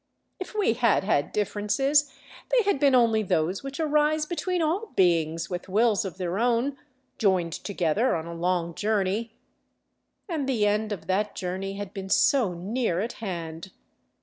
If we had had differences, they had been only those which arise between all beings with wills of their own, joined .ogether on a long journey. And the end of that journey had been so near at hand.